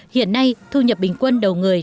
hiện nay thu nhập bình quân đầu người